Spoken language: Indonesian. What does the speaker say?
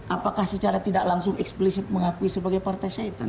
apakah secara tidak langsung eksplisit mengakui sebagai partai syaitan